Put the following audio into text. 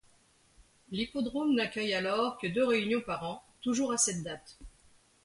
L'hippodrome n'accueille alors que deux réunions par an, toujours à cette date.